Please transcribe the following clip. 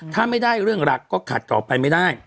ถ้าไม่ได้เรื่องรักก็ขัดต่อไปไม่ได้